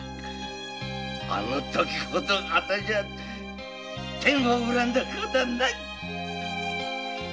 あの時ほど私ゃ天を恨んだ事はない！